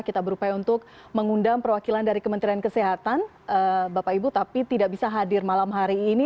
kita berupaya untuk mengundang perwakilan dari kementerian kesehatan bapak ibu tapi tidak bisa hadir malam hari ini